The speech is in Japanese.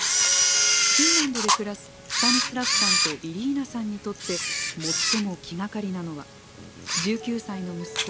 フィンランドで暮らすスタニスラフさんとイリーナさんにとって最も気がかりなのは１９歳の息子